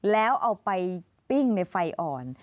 แล้วเอาไปปิ้งในไฟอ่อน